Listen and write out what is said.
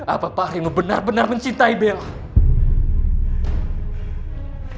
apa pak harimu benar benar mencintai bella